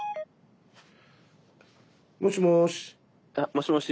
もしもし。